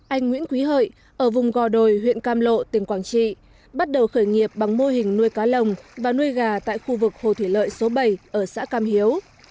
anh nguyễn quý hợi ở vùng gò đồi huyện cam lộ tỉnh quảng trị bắt đầu khởi nghiệp bằng mô hình nuôi cá lồng và nuôi gà tại khu vực hồ thủy lợi số bảy ở xã cam hiếu